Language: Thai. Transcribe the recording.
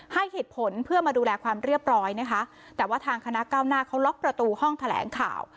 ให้เหตุผลเพื่อมาดูแลความเรียบร้อยนะคะแต่ว่าทางคณะเก้าหน้าเขาล็อกประตูห้องแถลงข่าว